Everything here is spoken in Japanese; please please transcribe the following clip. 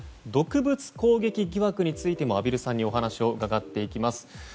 毒物攻撃疑惑についても畔蒜さんにお話を伺っていきます。